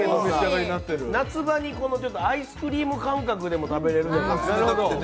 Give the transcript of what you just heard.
夏場にアイスクリーム感覚でも食べられる。